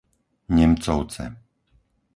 Nemcovce